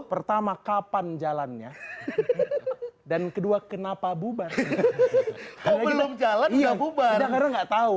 pertama kapan jalannya dan kedua kenapa bubar belum jalan enggak bubar enggak tahu